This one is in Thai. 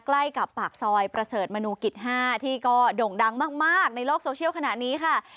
ใกล้กับปากซอยประเสริฐมนูกิจ๕ที่ก็โด่งดังมากในโลกโซเชียลขณะนี้ค่ะ